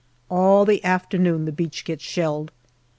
All the afternoon the beach gets shelled.